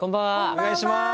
お願いします